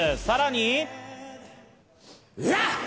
さらに。